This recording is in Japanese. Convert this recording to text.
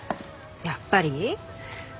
やっぱり？